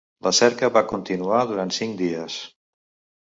La cerca va continuar durant cinc dies.